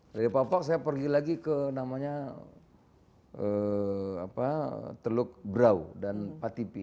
dari papak saya pergi lagi ke namanya teluk brau dan patipi